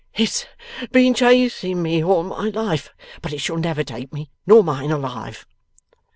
'It's been chasing me all my life, but it shall never take me nor mine alive!